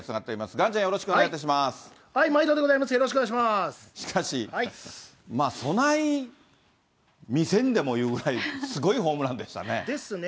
岩ちゃん、毎度でございます、よろしくしかし、そない見せんでもというぐらい、すごいホームランでしたね。ですね。